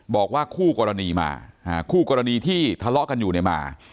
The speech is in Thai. บอกว่าคู่กรณีมาคู่กรณีที่ทะเลาะกันอยู่เนี่ยมา